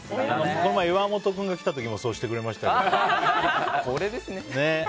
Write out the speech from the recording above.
この前、岩本君が来てくれた時もそうしてくれましたよ。